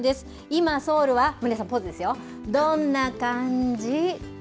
今、ソウルは、皆さん、ポーズですよ、どんな感じ？